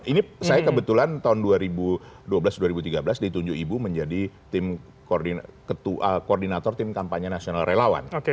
ini saya kebetulan tahun dua ribu dua belas dua ribu tiga belas ditunjuk ibu menjadi tim koordinator tim kampanye nasional relawan